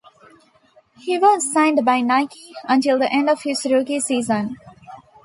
He was signed by Nike until the end of his rookie season.